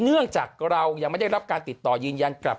เนื่องจากเรายังไม่ได้รับการติดต่อยืนยันกลับ